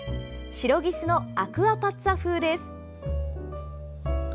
シロギスのアクアパッツァ風です。